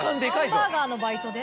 ハンバーガーのバイトで？